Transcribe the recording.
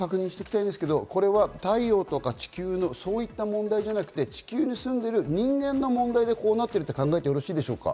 これは太陽とか地球のそういった問題じゃなくて、地球に住んでいる人間の問題でこうなっていると考えてもよろしいですか？